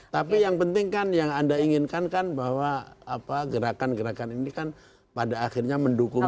tapi yang penting kan yang anda inginkan kan bahwa gerakan gerakan ini kan pada akhirnya mendukung